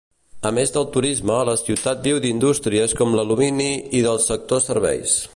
A més del turisme la ciutat viu d'indústries com l'alumini i del sector serveis.